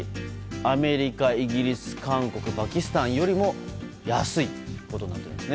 アメリカ、イギリス、韓国パキスタンよりも安いことになります。